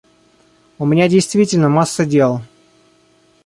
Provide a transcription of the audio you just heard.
У меня действительно масса дел.